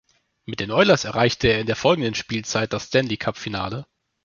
Mit den Oilers erreichte er in der folgenden Spielzeit das Stanley-Cup-Finale.